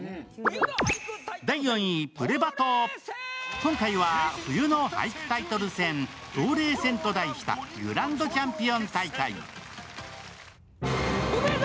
今回は、冬の俳句タイトル戦、冬麗戦と題したグランドチャンピオン大会。